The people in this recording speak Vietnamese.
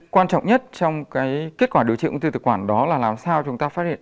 quan trọng nhất trong kết quả điều trị ung thư tự quản đó là làm sao chúng ta phát hiện